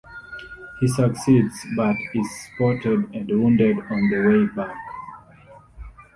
He succeeds, but is spotted and wounded on the way back.